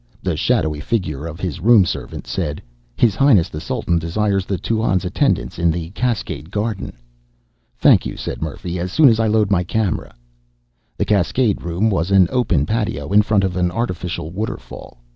The shadowy figure of his room servant said, "His Highness the Sultan desires the Tuan's attendance in the Cascade Garden." "Thank you," said Murphy. "As soon as I load my camera." The Cascade Room was an open patio in front of an artificial waterfall.